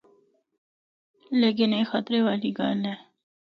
لیکن اے خطرے والی گل اے۔